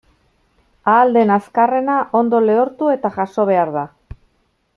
Ahal den azkarrena ondo lehortu eta jaso behar da.